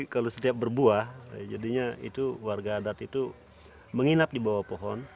kalau setiap berbuah jadinya itu warga adat itu menginap di bawah pohon